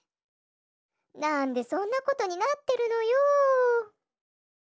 なんでそんなことになってるのよ。